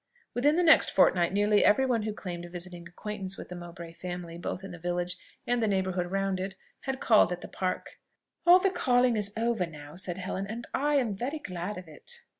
Within the next fortnight nearly every one who claimed a visiting acquaintance with the Mowbray family, both in the village and the neighbourhood round it, had called at the Park. "All the calling is over now," said Helen, "and I am very glad of it."